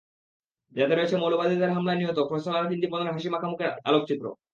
যাতে রয়েছে মৌলবাদীদের হামলায় নিহত ফয়সল আরেফিন দীপনের হাসিমাখা মুখের আলোকচিত্র।